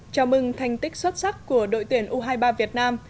chào mừng thành tích xuất sắc của đội tuyển u hai mươi ba việt nam